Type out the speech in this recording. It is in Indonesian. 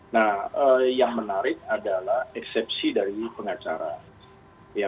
nah yang menarik adalah eksepsi dari pengacara